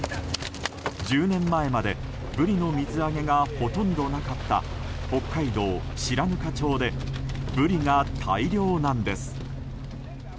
１０年前までブリの水揚げがほとんどなかった北海道白糠町でブリが大漁なんです。